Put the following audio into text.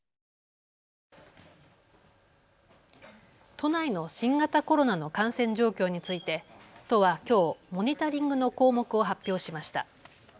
都内の新型コロナの感染状況について都はきょう、モニタリングの項目を発表しました。